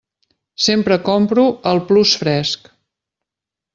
Sempre compro al Plus Fresc.